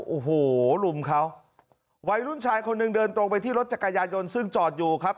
โอ้โหลุมเขาวัยรุ่นชายคนหนึ่งเดินตรงไปที่รถจักรยายนต์ซึ่งจอดอยู่ครับ